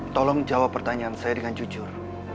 tolong jawab pertanyaan saya dengan jujur